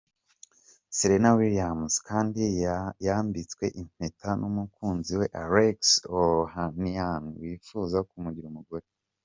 Serena Williams kandi yambitswe impeta n'umukunzi we Alexis Ohanian wifuza kumugira umugore.